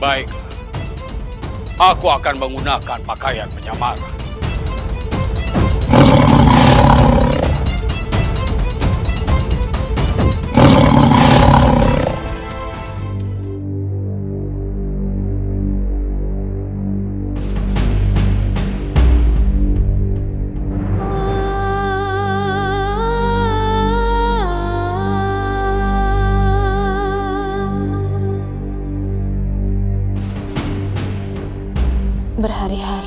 baiklah aku akan menggunakan pakaian penyamaran